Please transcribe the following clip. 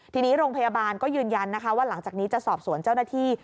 ทีนี้โรงพยาบาลก็ยืนยันนะคะว่าหลังจากนี้จะสอบสวนเจ้าหน้าที่